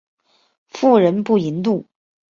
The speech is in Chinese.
妇人不淫妒。